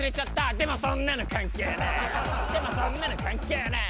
でもそんなの関係ねぇ。